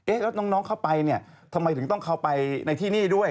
แล้วน้องเข้าไปเนี่ยทำไมถึงต้องเข้าไปในที่นี่ด้วย